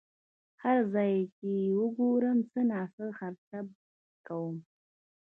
هر ځای چې یې وګورم څه ناڅه خرچه کوم.